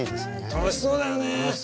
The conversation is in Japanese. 楽しそうだよね。